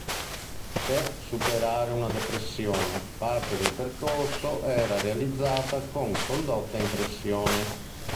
Per superare una depressione, parte del percorso era realizzata con condotta in pressione.